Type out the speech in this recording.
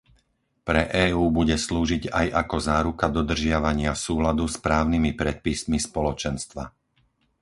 Pre EÚ bude slúžiť aj ako záruka dodržiavania súladu s právnymi predpismi Spoločenstva.